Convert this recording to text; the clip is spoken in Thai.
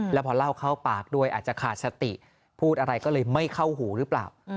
แล้วพอเล่าเข้าปากด้วยอาจจะขาดสติพูดอะไรก็เลยไม่เข้าหูหรือเปล่า